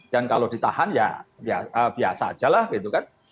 dan kalau ditahan ya biasa aja lah gitu kan